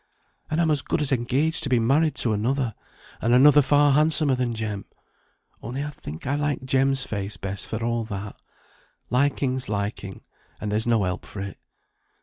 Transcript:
And I'm as good as engaged to be married to another; and another far handsomer than Jem; only I think I like Jem's face best for all that; liking's liking, and there's no help for it.